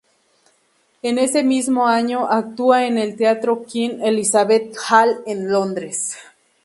En ese mismo año actúa en el teatro Queen Elizabeth Hall en Londres.